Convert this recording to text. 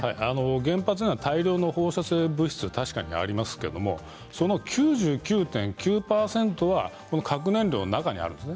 原発には大量の放射性物質が確かにありますけどその９９．９％は核燃料の中にあります。